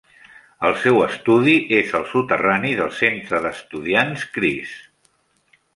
El seu estudi és al soterrani del centre d'estudiants Creese.